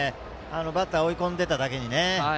バッターを追い込んでいただけに。